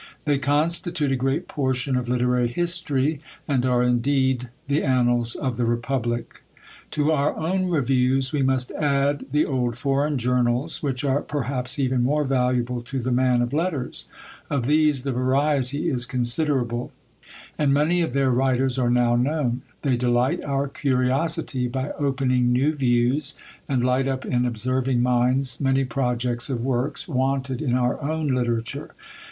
They constitute a great portion of literary history, and are indeed the annals of the republic. To our own reviews, we must add the old foreign journals, which are perhaps even more valuable to the man of letters. Of these the variety is considerable; and many of their writers are now known. They delight our curiosity by opening new views, and light up in observing minds many projects of works, wanted in our own literature.